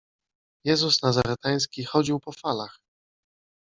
Jezus Nazareński chodził po falach.